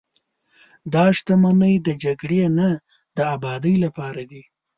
دا شتمنۍ د جګړې نه، د ابادۍ لپاره دي.